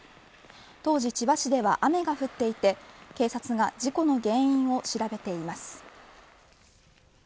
当時、千葉市では雨が降っていて警察が事故の原因を調べています。